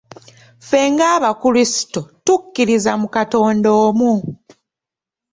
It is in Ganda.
Ffe nga Abakrisito, tukkiririza mu Katonda omu.